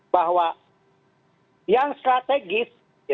bahwa yang strategis